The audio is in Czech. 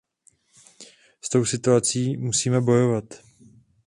S touto situací musíme bojovat!